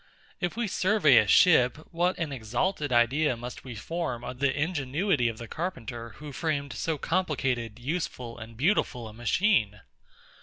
If we survey a ship, what an exalted idea must we form of the ingenuity of the carpenter who framed so complicated, useful, and beautiful a machine?